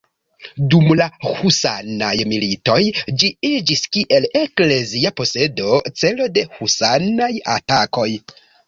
Dum la husanaj militoj ĝi iĝis kiel eklezia posedo celo de husanaj atakoj.